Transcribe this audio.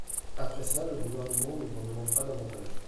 Après ça, le gouvernement ne t’en demande pas davantage.